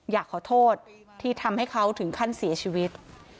อยากขอโทษที่ทำให้เขาถึงขั้นเสียชีวิต